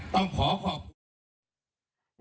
ต้องขอขอบคุณ